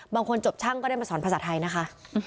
บางคนจบช่างก็ได้มาสอนภาษาไทยนะคะ